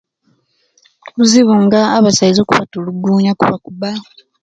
Bizibu nga abasaiza okubatulugunya okuba